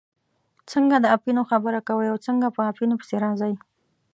څنګه د اپینو خبره کوئ او څنګه په اپینو پسې راځئ.